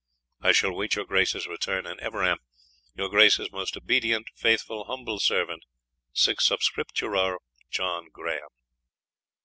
I shall wait your Grace's return, and ever am, "Your Grace's most obedient, faithful, "humble servant, Sic subscribitur, "John Grahame."